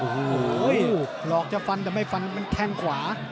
โอ้โหหลอกจะฟันแต่ไม่ฟันมันแทงขวา